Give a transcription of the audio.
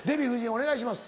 お願いします。